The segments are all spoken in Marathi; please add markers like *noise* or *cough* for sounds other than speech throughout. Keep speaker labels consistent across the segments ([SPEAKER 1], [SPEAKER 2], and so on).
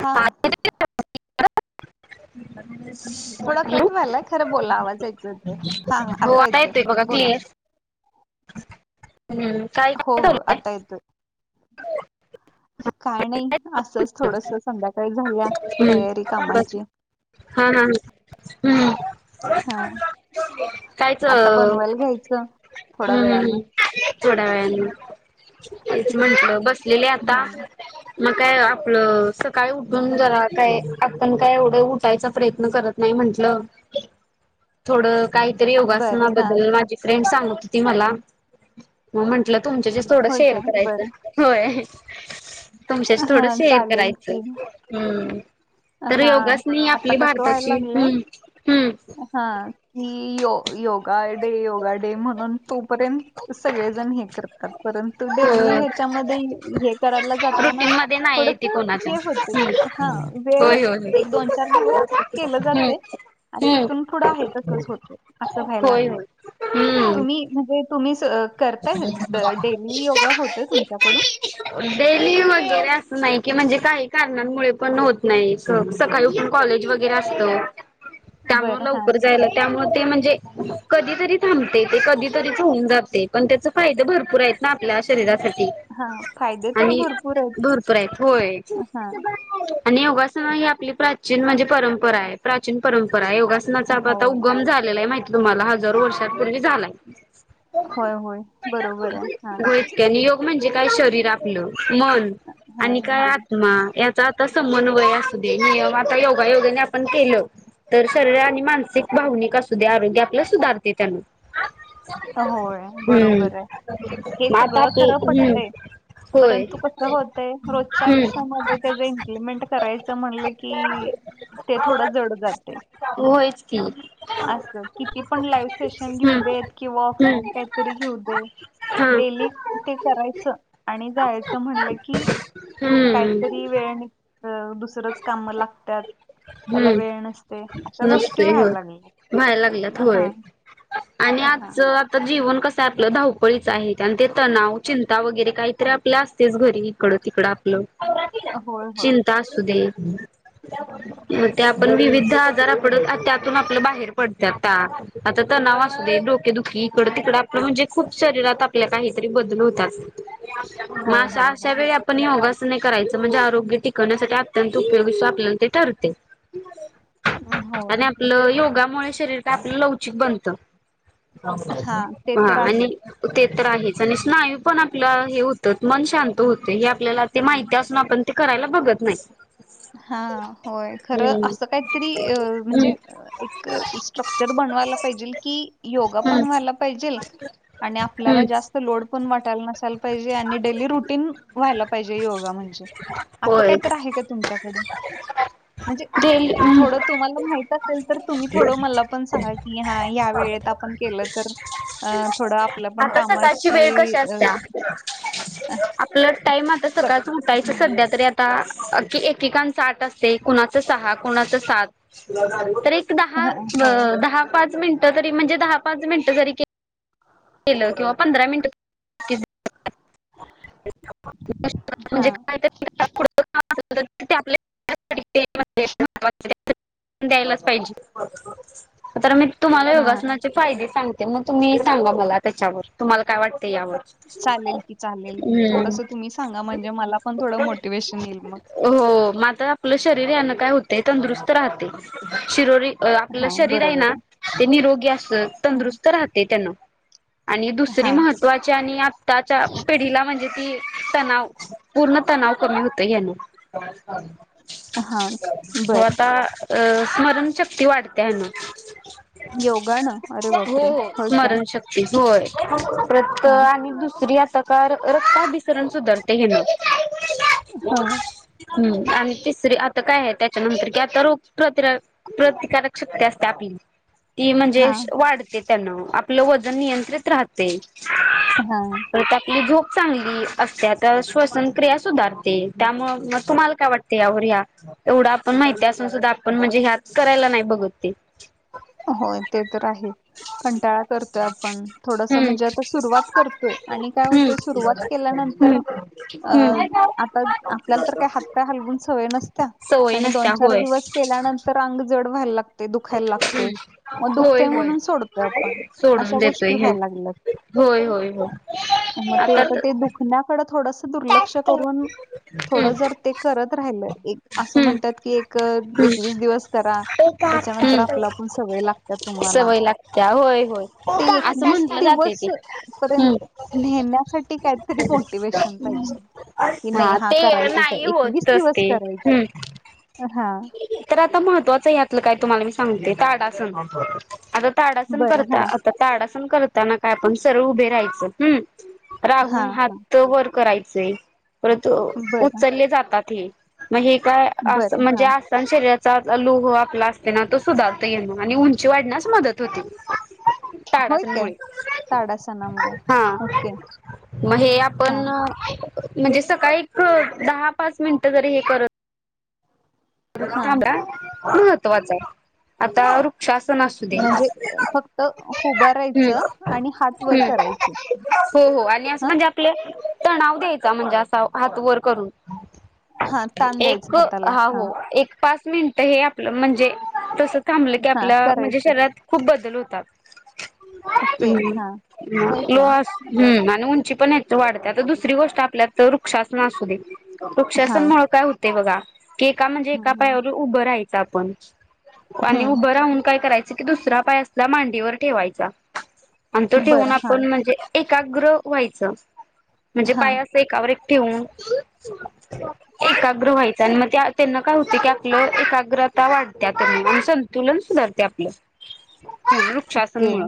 [SPEAKER 1] हा थोडा
[SPEAKER 2] येतो
[SPEAKER 1] कट व्हायलाय खरं बोला आवाज ऐकू येतोय हा हा,
[SPEAKER 2] हो आता येतोय बघा
[SPEAKER 1] बोला
[SPEAKER 2] क्लिअर... हम्म काय
[SPEAKER 1] हो
[SPEAKER 2] काय
[SPEAKER 1] हो
[SPEAKER 2] ठरवलंय..
[SPEAKER 1] आता येतोय
[SPEAKER 2] *unintelligible*
[SPEAKER 1] काय नाही असंच थोडस संध्याकाळी झाल्या
[SPEAKER 2] हम्म,
[SPEAKER 1] तयारी
[SPEAKER 2] बस
[SPEAKER 1] कामाची...
[SPEAKER 2] हा हा हम्म...
[SPEAKER 1] हा...
[SPEAKER 2] खायच
[SPEAKER 1] आता बनवायला घ्यायचं थोड्या वेळानं
[SPEAKER 2] हम्म् थोड्या वेळानं.. ह..
[SPEAKER 1] हम्म
[SPEAKER 2] म्हंटलं बसलेले आता
[SPEAKER 1] हम्म
[SPEAKER 2] मग काय आपलं सकाळी
[SPEAKER 1] हम्म
[SPEAKER 2] उठून जरा
[SPEAKER 1] हम्म
[SPEAKER 2] काय.. आपण काय एवढं उठायचा प्रयत्न करत नाही म्हंटलं थोडं... काहीतरी
[SPEAKER 1] बरं हा
[SPEAKER 2] योगासनाबद्दल माझी फ्रेंड सांगत होती मला... मग म्हंटलं तुमच्याशी थोडं
[SPEAKER 1] होय
[SPEAKER 2] शेअर
[SPEAKER 1] काय बरं
[SPEAKER 2] करायचं होय. तुमच्याशी
[SPEAKER 1] हा
[SPEAKER 2] थोडं शेअर
[SPEAKER 1] चालेल
[SPEAKER 2] करायचं
[SPEAKER 1] की
[SPEAKER 2] हम्म... तर
[SPEAKER 1] हा
[SPEAKER 2] योगासनी
[SPEAKER 1] आता
[SPEAKER 2] आपली
[SPEAKER 1] कस व्हायला
[SPEAKER 2] भारताची
[SPEAKER 1] लागलंय
[SPEAKER 2] हम्म हम्म
[SPEAKER 1] हा मी यो... योगा डे योगा डे म्हणून तू... पर्यंत सगळेजण हे करतात परंतु डेली
[SPEAKER 2] हो
[SPEAKER 1] ह्याच्यामध्ये हे करायला जाताना...
[SPEAKER 2] रुटीन मध्ये नाही आहे ती
[SPEAKER 1] थोडंस
[SPEAKER 2] कोणाच्या
[SPEAKER 1] हे होते
[SPEAKER 2] हम्म
[SPEAKER 1] हा.. ते
[SPEAKER 2] होय होय होय
[SPEAKER 1] एक दोन चार दिवस केलं
[SPEAKER 2] हम्म
[SPEAKER 1] जातय... आणि
[SPEAKER 2] हम्म
[SPEAKER 1] तिथून पुढं आहे तसंच होतय असं व्हायला
[SPEAKER 2] होय
[SPEAKER 1] लागलय
[SPEAKER 2] होय हम्म
[SPEAKER 1] तुम्ही म्हणजे तु करताय डेली योगा होतोय तुमच्याकडून?
[SPEAKER 2] डेली वगैरे असं नाही कि म्हणजे काही कारनांमुळे पण होत नाही सकाळी उठून कॉलेज वगैरे असतं. त्यामुळं
[SPEAKER 1] बरं हा
[SPEAKER 2] लवकर जायला त्यामुळं ते म्हणजे कधीतरी थांबतय ते कधीतरीच होऊन जा ते पण त्याच फायदं भरपूर आहेत ना आपल्या शरीरात साठी
[SPEAKER 1] हा फायदे तर
[SPEAKER 2] आणि
[SPEAKER 1] भरपूर आहेत
[SPEAKER 2] भरपूर आहेत होय.
[SPEAKER 1] हा
[SPEAKER 2] आणि योगा सन ही आपली प्राचीन म्हणजे परंपरा आहे प्राचीन परंपरा आहे योगासनाचा आपण आता
[SPEAKER 1] होय
[SPEAKER 2] उगम झालेला आहे माहिती तुम्हाला हजारो वर्षांपूर्वी झालाय.
[SPEAKER 1] होय होय बरोबर आहे हा.
[SPEAKER 2] गोइतक्यानी योग म्हणजे काय शरीर आपलं मन आणि
[SPEAKER 1] हा
[SPEAKER 2] काय आत्मा याचा आता समन्वय असु दे हे आता योगायोगाने आपण केलं. तर शरीर आणि मानसिक भावनिक असू द्या आरोग्य आपलं सुधारते त्यानं.
[SPEAKER 1] होय
[SPEAKER 2] हम्म
[SPEAKER 1] बरोबर आहे हे
[SPEAKER 2] मग आता
[SPEAKER 1] सगळं खरं
[SPEAKER 2] आपलं हम्म
[SPEAKER 1] पटतय.
[SPEAKER 2] होय.
[SPEAKER 1] परंतु कस होतय रोजच्या
[SPEAKER 2] हम्म.
[SPEAKER 1] आयुष्यामध्ये त्याच इम्प्लिमेंट करायचं म्हणलं की ते थोडं जड जातय.
[SPEAKER 2] होयच हम्म.
[SPEAKER 1] असं किती पण लाईव्ह सेशन घेऊ देत किंवा
[SPEAKER 2] हम्म.
[SPEAKER 1] ऑफलाईन काहीतरी घेऊ दे.
[SPEAKER 2] हा.
[SPEAKER 1] डेली ते करायचं आणि जायचं म्हणलं की
[SPEAKER 2] हम्म.
[SPEAKER 1] काहीतरी वेळ निघ दुस रच कामं लागत्यात त्याला
[SPEAKER 2] हम्म.
[SPEAKER 1] वेळ नसतय अशा गोष्टी व्हायला लागल्यात.
[SPEAKER 2] व्हाय लागल्यात होय आणि
[SPEAKER 1] हा
[SPEAKER 2] आजचं आता जीवन कस आपलं धावपळीच आहेत आणि ते तणाव चिंता वगैरे काहीतरी आपल्या असतयचं घरी इकडं तिकडं लं
[SPEAKER 1] होय होय
[SPEAKER 2] चिंता असुदे. म ते आपण
[SPEAKER 1] हम्म
[SPEAKER 2] विविध आजार आपड त्यातून आपलं बाहेर पडत आता. आता तणाव असतय डोके दुखी इकडं तिकडं आपलं म्हणजे खूप शरीरात- आपल्या काहीतरी बदल होतात
[SPEAKER 1] होय
[SPEAKER 2] मग
[SPEAKER 1] होय
[SPEAKER 2] अशा वेळी
[SPEAKER 1] होय
[SPEAKER 2] आपण योगा सने करायचं म्हणजे आरोग्य टिकवण्यासाठी अत्यंत उपयोगी आपल्याला ते ठरते.
[SPEAKER 1] होय
[SPEAKER 2] आणि आपलं योगामुळे शरीर काय आपलं लवचिक बनतं.
[SPEAKER 1] हा ते
[SPEAKER 2] ह
[SPEAKER 1] तर
[SPEAKER 2] आणि
[SPEAKER 1] आहे
[SPEAKER 2] ते तर आहेचं आणि स्नायू पण आपलं हे हुतं मन शांत होते हे आपल्याला ते माहिती असून आपण ते करायला बघत नाही.
[SPEAKER 1] हा होय खरं
[SPEAKER 2] हम्म
[SPEAKER 1] असं काहीतरी म्हणजे
[SPEAKER 2] हम्म
[SPEAKER 1] एक स्ट्रक्चर बन वायला पाहिजेल की योगा पण
[SPEAKER 2] हम्म
[SPEAKER 1] व्हायला पाहिजेल, आणि आपल्याला
[SPEAKER 2] हम्म
[SPEAKER 1] जास्त लोड पण वाटायला नसायला पाहिजे आणि डेली रुटीन व्हायला पाहिजे योगा म्हणजे. असं
[SPEAKER 2] होय
[SPEAKER 1] कायतर आहे का तुमच्याकडं, म्हणजे
[SPEAKER 2] डेली
[SPEAKER 1] थोडं तुम्हाला माहित तर तुम्ही थोड मला पण सांगा की हा या वेळेत आपण केलं तर अ थोडं आपलं पण
[SPEAKER 2] आता सकाळची वेळ
[SPEAKER 1] कामाची
[SPEAKER 2] कशी
[SPEAKER 1] अ,
[SPEAKER 2] असत्या.
[SPEAKER 1] अ,
[SPEAKER 2] आपलं टाइम आता
[SPEAKER 1] स
[SPEAKER 2] सकाळच उठायच
[SPEAKER 1] हं,
[SPEAKER 2] सध्या तरी आता, अ की एकेकांच आठ असते कुणाचं सहा कणाच सात तर दहा
[SPEAKER 1] हां, होय.
[SPEAKER 2] बअ दहा पाच मिनिटं तरी म्हणजे दहा पाच मिनटं जरी के केल किंवा पंधरा मिनट की, म्हणजे
[SPEAKER 1] हां,
[SPEAKER 2] कायतरी, *unintelligible* ते आपल्या *unintelligible* *unintelligible* द्यायलाच पाहिजे. तर मी तुम्हाला
[SPEAKER 1] हां.
[SPEAKER 2] योगासनाचे फायदे सांगते मग तुम्ही सांगा मला त्याच्यावर तुम्हाला काय वाट ते यावर.
[SPEAKER 1] चालेल की चालेल
[SPEAKER 2] हम्म
[SPEAKER 1] थोडस तुम्ही सांगा म्हणजे मला पण थोडं मोटिवेशन येईल मग.
[SPEAKER 2] हो म आपलं शरीर काय होते तंदरुस्त राहते. शरोरी अ आपलं
[SPEAKER 1] हा
[SPEAKER 2] शरीर आहे
[SPEAKER 1] बरोबर
[SPEAKER 2] ना ते निरोगी अस
[SPEAKER 1] हम्म.
[SPEAKER 2] तंदुरुस्त राहते त्यांन. आणि दुसरी
[SPEAKER 1] हा
[SPEAKER 2] महत्त्वाची आणि आत्ताच्या पिढीला म्हणजे ती तणाव पूर्ण तणाव कमी होत ह्यन.
[SPEAKER 1] हा
[SPEAKER 2] त
[SPEAKER 1] बर
[SPEAKER 2] आता अ स्मरणशक्ती वाढते ह्यन.
[SPEAKER 1] योगा न
[SPEAKER 2] हो हो स्मरणशक्ती होय परत
[SPEAKER 1] हा
[SPEAKER 2] आणि दुसरी कार रक्ता बिसरण सुधरते हे न.
[SPEAKER 1] हा.
[SPEAKER 2] आणि तिसरी आता काय आहे त्याच्यानंतर कि आता रोग प्रत प्रतिकारक शक्ती असते आपली. ती
[SPEAKER 1] हा
[SPEAKER 2] म्हणजे वाढते त्यान आपलं वजन नियंत्रित राहते.
[SPEAKER 1] हा.
[SPEAKER 2] परत झोप चांगली असते तर श्वसन क्रिया सुधारते त्या मग मगं, तुम्हाला काय वाटते यावर?? एवढ आपण माहितीन सुधा आपण म्हणजे ह्याच करायला नाही बघ ते.
[SPEAKER 1] होय ते तर आहे. कंटाळा करतोय आपण थोडस
[SPEAKER 2] हम्म
[SPEAKER 1] म्हणजे आता सुरुवात करतोय आणि काय
[SPEAKER 2] हम्म
[SPEAKER 1] हुतंय सुरवात केल्यानंतर अअ
[SPEAKER 2] हम्म
[SPEAKER 1] आता आपल्याला तर
[SPEAKER 2] हम्म
[SPEAKER 1] काय हात पाय हालवून स वय नसत्या,
[SPEAKER 2] सवय
[SPEAKER 1] आणि दोन
[SPEAKER 2] नसत्या
[SPEAKER 1] चार
[SPEAKER 2] होय
[SPEAKER 1] दिवस केल्यानंतर अंग जड व्हायला लागते दुखायला लागते.
[SPEAKER 2] हम्म
[SPEAKER 1] मग
[SPEAKER 2] होय
[SPEAKER 1] दुखतेय
[SPEAKER 2] होय
[SPEAKER 1] म्हणून सोडतोय आपण
[SPEAKER 2] सोडून
[SPEAKER 1] अशा गोष्टी
[SPEAKER 2] देतोय हे
[SPEAKER 1] व्हायला लागल्यात.
[SPEAKER 2] होय होय होय
[SPEAKER 1] मग ते आता ते दुखण्याकडे थोडंसं दुर्लक्ष करून,
[SPEAKER 2] हम्म
[SPEAKER 1] थोडं जर ते करत राहिल एक असं
[SPEAKER 2] हम्म
[SPEAKER 1] म्हणतात की एक
[SPEAKER 2] हम्म
[SPEAKER 1] एकवीस दिवस करा. त्याच्यानंतर
[SPEAKER 2] हम्म.
[SPEAKER 1] आपलं आपण सवय लागत्या तुम्हाला.
[SPEAKER 2] सवय लागत्या होय होय
[SPEAKER 1] ते
[SPEAKER 2] असं म्हटल जातय
[SPEAKER 1] दिवस
[SPEAKER 2] ते.
[SPEAKER 1] पर्यंत नेण्यासाठी काहीतरी मोटिवेशन. पाहिजे, की नाही हा
[SPEAKER 2] ते
[SPEAKER 1] करायचच
[SPEAKER 2] नाही
[SPEAKER 1] आहे एकवीस
[SPEAKER 2] होतच
[SPEAKER 1] दिवस
[SPEAKER 2] ते
[SPEAKER 1] करायचय.
[SPEAKER 2] हम्म तर आता महत्वाच यात, *inaudible* पण
[SPEAKER 1] बरं हा
[SPEAKER 2] करताना काय आपण सरळ उभे राहायचं ह
[SPEAKER 1] हा
[SPEAKER 2] राहून
[SPEAKER 1] हा
[SPEAKER 2] हात वर करायचे परंतु
[SPEAKER 1] बरं
[SPEAKER 2] उचलले जातात हे मग हे काय अस
[SPEAKER 1] बरं
[SPEAKER 2] म्हणजे
[SPEAKER 1] हा
[SPEAKER 2] आसान शरीरात चा लोह आपला असते ना तो सुधारत येण आणि उंची वाढण्यास मदत होते.
[SPEAKER 1] होय
[SPEAKER 2] ताडासन
[SPEAKER 1] काय
[SPEAKER 2] मुळे,
[SPEAKER 1] ताडासनामुळं
[SPEAKER 2] हा.
[SPEAKER 1] ओके
[SPEAKER 2] मग हे आपण
[SPEAKER 1] हा
[SPEAKER 2] न, म्हणजे सकाळी एक दहा पाच मिनिटं जरी हे करत
[SPEAKER 1] हा
[SPEAKER 2] तांबा महत्वाचा आहे. आता रु
[SPEAKER 1] म्हणजे फक्त
[SPEAKER 2] हम्म
[SPEAKER 1] हुभारायचं आणि हात वर
[SPEAKER 2] हम्म.
[SPEAKER 1] करायचे.
[SPEAKER 2] हो हो आणि असं
[SPEAKER 1] हा
[SPEAKER 2] म्हणजे आपला तणाव द्यायचा म्हणजे असा हात वर करून.
[SPEAKER 1] हा ताण द्यायचं
[SPEAKER 2] एक
[SPEAKER 1] हाताला
[SPEAKER 2] हा हो एक पाच मिनिट हे आपलं म्हणजे. तस थांबलं की
[SPEAKER 1] हा
[SPEAKER 2] आपल्या म्हणजे
[SPEAKER 1] करायचं
[SPEAKER 2] शरीरात खूप बदल होतात.
[SPEAKER 1] ओके
[SPEAKER 2] हम्म
[SPEAKER 1] हा होय काय
[SPEAKER 2] लोहास
[SPEAKER 1] बर
[SPEAKER 2] हम्म आणि उंची पण येत. वाढते तर दुसरी गोष्ट आपल्या वृक्षासन असू दे. वृक्ष
[SPEAKER 1] हा
[SPEAKER 2] आसन मुळे काय होते बघा की एका म्हणजे एका
[SPEAKER 1] हम्म, हम्म,
[SPEAKER 2] पायावर उभं राहायचं आपण. आणि
[SPEAKER 1] हम्म.
[SPEAKER 2] उभं राहून काय करायचं कि दुसरा पाय असला मांडीवर ठेवायचा. आणि तो ठेवून
[SPEAKER 1] बरं हा
[SPEAKER 2] आपण म्हणजे एकाग्र व्हायचं म्हणजे
[SPEAKER 1] हा
[SPEAKER 2] पाया असं एकावर. ठेऊन एकाग्र व्हायचं आणि मग त्यांन काय होत की आपलं एकाग्रता वाढत्या त्यां संतुलन सुधारते आपलं. वृक्षा आसन
[SPEAKER 1] ओके
[SPEAKER 2] मुळ.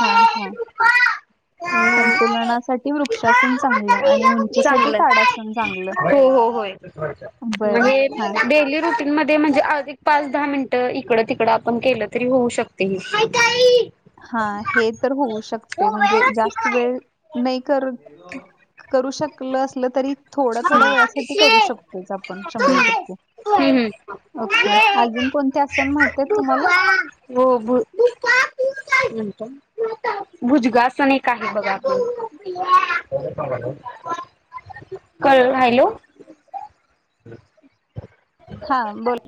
[SPEAKER 1] हा हा संतुलनासाठी वृक्षासन चांगलं आणि उंचीसाठी ताडासन चांगलं.
[SPEAKER 2] होय, होय
[SPEAKER 1] बरं.
[SPEAKER 2] म्हणजे
[SPEAKER 1] हां,
[SPEAKER 2] डेली रुटीन. म्हणजे पाच दहा मिनटं इकड तिकड आपण केलं तरी होऊ शकते.
[SPEAKER 1] हा हे तर होऊ शकते म्हणजे जास्त वेळ नाही कर, करू शकल असल तरी. थोड्या थोड्या वेळासाठी करू शकतोच आपण शंभर
[SPEAKER 2] हम्म
[SPEAKER 1] टक्के. ओके
[SPEAKER 2] हम्म
[SPEAKER 1] अजून कोणते असन माहिती आहेत तुम्हाला.
[SPEAKER 2] ह *inaudible* *unintelligible* भुजंगा आसन असण एक का आहे बघा आपण. हॅलो? *unintelligible*
[SPEAKER 1] हा बोोल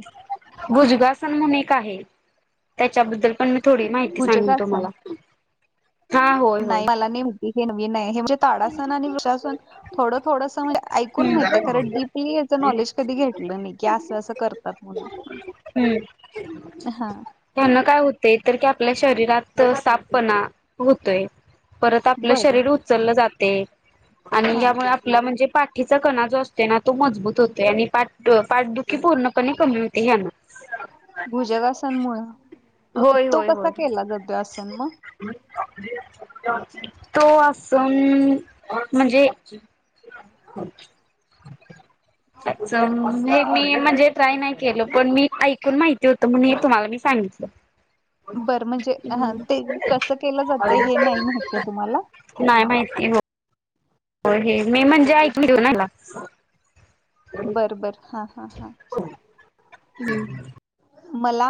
[SPEAKER 2] *inaudible* आहे त्याच्याबद्दल पण मी थोडी माहिती
[SPEAKER 1] भुजंग
[SPEAKER 2] सांगन
[SPEAKER 1] आसन?
[SPEAKER 2] तुम्हाला. हा होय होय
[SPEAKER 1] नाही मला हे माहिती, हे नवीन हे म्हणजे ताडासन आणि वृक्षासन थोडं थोडं स. ऐकून माहिती आहे, कारण डीपीलिये याच नॉलेज कधी घेतलं नाही की असं असं करतात म्हणून.
[SPEAKER 2] हम्म
[SPEAKER 1] हां,
[SPEAKER 2] त्यांना काय होतय. तर की आपल्या शरीरा साफपणा. होतोय परत आपलं
[SPEAKER 1] बरं.
[SPEAKER 2] शरीर उचललं जात. ते आणि
[SPEAKER 1] हां,
[SPEAKER 2] यामुळे आपला म्हणजे. पाठीचा कणा जो असतो ना तो मजबूत होतोय, आणि पाठ पाठदुखी पूर्णपणे कमी होते ह्याना.
[SPEAKER 1] भुजगासन मुळ
[SPEAKER 2] होय
[SPEAKER 1] तो
[SPEAKER 2] होय
[SPEAKER 1] कसा
[SPEAKER 2] होय.
[SPEAKER 1] केला जातो आसन मग.
[SPEAKER 2] तो आसन. म्हणजे. *unintelligible* अच्छा हे मी म्हणजे ट्राय नाही केलं, पण मी ऐकून माहिती होतं म्हणून हे तुम्हाला मी सांगितलं.
[SPEAKER 1] बर म्हणजे ह ते कसं केलं जाते हे नाही माहित आहे तुम्हाला!
[SPEAKER 2] नाही माहिती हो हो हे मी म्हणजे ऐक घेऊनला.
[SPEAKER 1] बर बर हा हा हा...
[SPEAKER 2] हम्.
[SPEAKER 1] मला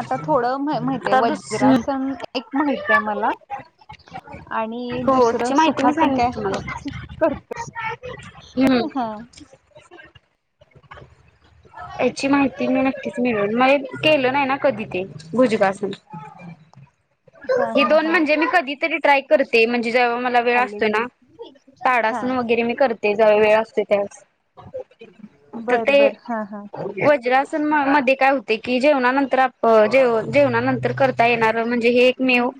[SPEAKER 1] आता थोडं माहित आहे,
[SPEAKER 2] आता दुस
[SPEAKER 1] वज्रासन एक माहित आहे मला. आणि
[SPEAKER 2] हो
[SPEAKER 1] दुसरं
[SPEAKER 2] त्याची माहिती मी
[SPEAKER 1] सुखचं
[SPEAKER 2] सांगितली
[SPEAKER 1] काय
[SPEAKER 2] तुम्हाला.
[SPEAKER 1] आपण करतोच.
[SPEAKER 2] हम्म.. *unintelligible* याची माहिती मी नक्कीच मिळून म केलं नाही ना कधी. भुजंगासन
[SPEAKER 1] हा
[SPEAKER 2] हे
[SPEAKER 1] हा
[SPEAKER 2] दोन
[SPEAKER 1] हा
[SPEAKER 2] म्हणजे मी कधीतरी ट्राय करते. जेव मला वेळ
[SPEAKER 1] चालेल
[SPEAKER 2] असतोय ना.
[SPEAKER 1] हा
[SPEAKER 2] ताडासन वगैरे मी करते, जव वेळ असतेो त्यावेळे. तर
[SPEAKER 1] बर
[SPEAKER 2] ते
[SPEAKER 1] बर हा हा
[SPEAKER 2] वज्रासन मध्ये काय होत की जेवणानंतर आपे जेवणानंतर करता येणार ते. म्हणजे हे एक मेव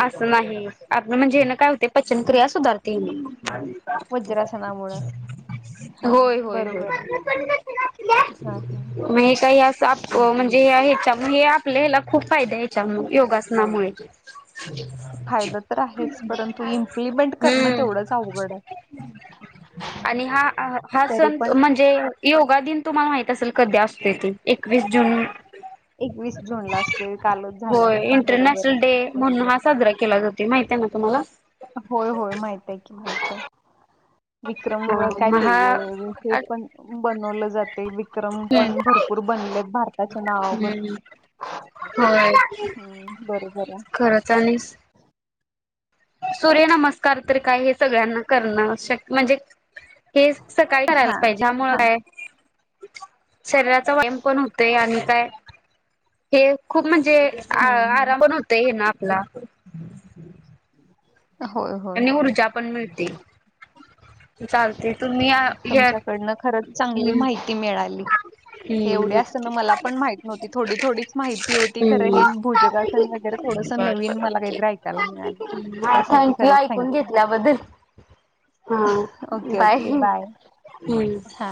[SPEAKER 2] असं नाही, आपण म्हणजे हे ना काय होते पचनक्रिया सुधारते.
[SPEAKER 1] वज्रासनामुळं हा
[SPEAKER 2] होय, होय, होय!
[SPEAKER 1] बरोबर आहे
[SPEAKER 2] *unintelligible*
[SPEAKER 1] हा हा
[SPEAKER 2] प *inaudible* मग हे काही असं, म्हणजेच्या आपल्या हला खूप फायदा याच्यामुळे योगासनम. ह्यामुळे.
[SPEAKER 1] फायदा तर आहेच परंतु इम्प्लिमेंट करणं
[SPEAKER 2] हम्म
[SPEAKER 1] तेवढंच अवघड आहे.
[SPEAKER 2] आणि हा हा
[SPEAKER 1] तरी
[SPEAKER 2] सण
[SPEAKER 1] पण
[SPEAKER 2] म्हणजे, योगा दिन तुम्हाला माहित असेल कधी असते त? एकवीस जून,
[SPEAKER 1] एकवीस जून ला असते कालच झालाय
[SPEAKER 2] होय
[SPEAKER 1] बरोबर आहे
[SPEAKER 2] इंटरनॅशनल डे म्हणून हा साजरा केला. केला जातो माहितीय ना तुम्हाला!
[SPEAKER 1] होय होय माहित आहे की आहे. विक्रम
[SPEAKER 2] हा
[SPEAKER 1] काय
[SPEAKER 2] मग
[SPEAKER 1] ते
[SPEAKER 2] हा
[SPEAKER 1] हे पण बनवलं जाते विक्रम
[SPEAKER 2] हम्म
[SPEAKER 1] पण भरपूर, बनलेत भारताच्या नावावर
[SPEAKER 2] हम्म होय
[SPEAKER 1] हम्म बरोबर
[SPEAKER 2] खरंच आणिस, सूर्य नमस्कार तर काय हे सगळ्यांना करणं आवश्यक म्हणजे. हे सकाळी
[SPEAKER 1] आहे हा
[SPEAKER 2] करायला पाहिजेमुळे
[SPEAKER 1] हा
[SPEAKER 2] काय, शरीराचा व्यायाम पण होते, आणि काय हे खूप म्हणजे आ
[SPEAKER 1] हम्म हम्म
[SPEAKER 2] आराम पण होत हे ना आपला,
[SPEAKER 1] होय होय
[SPEAKER 2] आणि ऊर्जा पण मिळते. चालते तुम्ही घ्या
[SPEAKER 1] तुमच्याकडन खरच चांगली
[SPEAKER 2] हम्म
[SPEAKER 1] माहिती मिळाली.
[SPEAKER 2] हम्म
[SPEAKER 1] मला पण माहिती नव्हती थोडी थोडीच माहिती होती खरं हे भोजगन वगैरे थोडस नवीन. मला काहीतरी ऐकायला मिळालं
[SPEAKER 2] हा
[SPEAKER 1] त्यासाठी
[SPEAKER 2] थँक्यू
[SPEAKER 1] खरंच
[SPEAKER 2] ऐकून
[SPEAKER 1] थँक्यू
[SPEAKER 2] घेतल्याबद्दल. हा
[SPEAKER 1] ओके
[SPEAKER 2] बाय
[SPEAKER 1] ओके
[SPEAKER 2] हां
[SPEAKER 1] हा